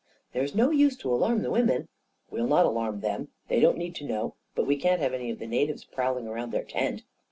" There's no use to alarm the women ..."" We'll not alarm them — they don't need to know. But we can't have any of the natives prowl ing around their tent."